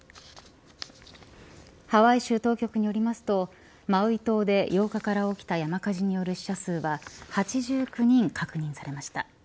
ハワイ州当局によりますとマウイ島で８日から起きた山火事による死者数は８９人確認されました。